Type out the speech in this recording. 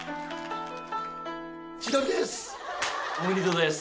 千鳥です。